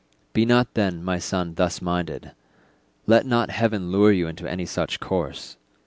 Be not then, my son, thus minded; let not heaven lure you into any such course.